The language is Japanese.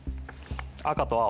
赤と青。